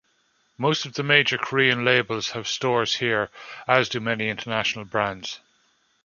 Most of the major Korean labels have stores here, as do many international brands.